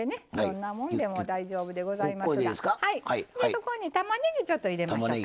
そこにたまねぎちょっと入れましょうか。